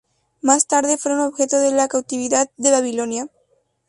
Más tarde fueron objeto de la cautividad de Babilonia.